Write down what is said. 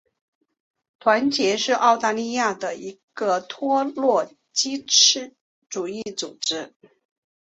团结是澳大利亚的一个托洛茨基主义组织。